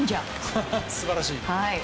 素晴らしい。